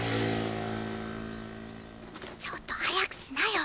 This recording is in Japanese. ちょっと早くしなよ！